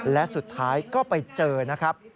และสุดท้ายก็ไปเจอนะครับ